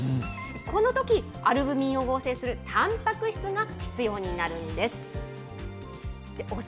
このとき、アルブミンを合成するたんぱく質が必要になるんです。